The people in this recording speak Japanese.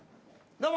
どうも！